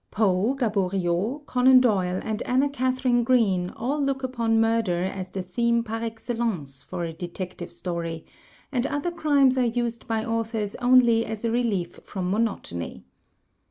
Poe, Gaboriau, Conan Doyle, and Anna Katharine Green all look upon mur der as the theme par excellence for a Detective Story, and other crimes are used by authors only as a relief from monotony.